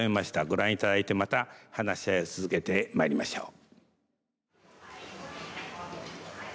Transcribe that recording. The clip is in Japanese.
ご覧いただいてまた話し合いを続けてまいりましょう。